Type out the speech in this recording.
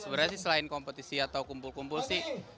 sebenarnya sih selain kompetisi atau kumpul kumpul sih